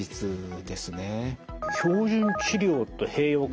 「標準治療と併用可」。